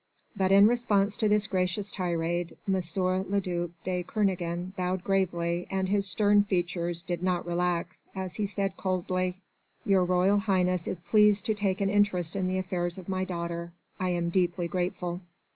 But in response to this gracious tirade, M. le duc de Kernogan bowed gravely, and his stern features did not relax as he said coldly: "Your Royal Highness is pleased to take an interest in the affairs of my daughter. I am deeply grateful."